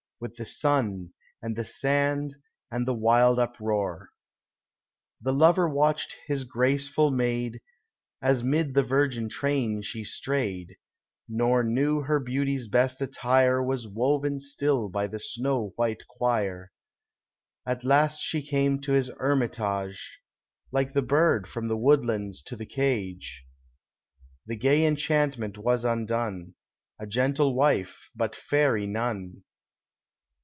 With the sun and the sand and the wild uproar. 10 POEMS OF NATURE. The lover watched his graceful maid, As mid the virgin train she strayed, Nor knew her beauty's best attire Was woven still by the snow white choir. At last she came to his hermitage, Like the bird from the woodlands to the cage; The gay enchantment was undone, A gentle wife, but fairy none.